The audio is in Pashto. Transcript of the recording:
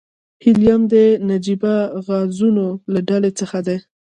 هیلیم د نجیبه غازونو له ډلې څخه دی.